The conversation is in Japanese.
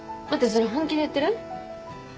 それ本気で言ってる？